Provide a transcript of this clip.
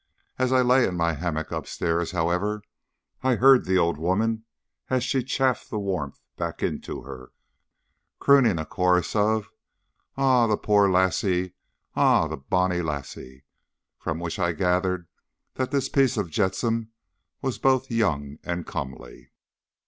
As I lay in my hammock upstairs, however, I heard the old woman as she chafed the warmth back into her, crooning a chorus of, "Eh, the puir lassie! Eh, the bonnie lassie!" from which I gathered that this piece of jetsam was both young and comely.